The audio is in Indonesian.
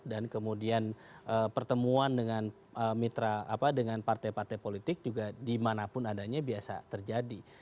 dan kemudian pertemuan dengan mitra apa dengan partai partai politik juga dimanapun adanya biasa terjadi